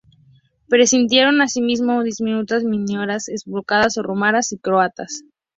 Persistieron asimismo diminutas minorías eslovacas, rumanas y croatas.